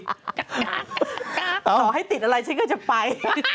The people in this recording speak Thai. ต่อให้ติดอะไรฉันก็จะไป